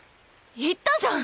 言ったじゃん！